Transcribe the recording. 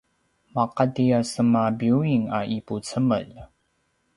maqati a sema biyuing a ipucemel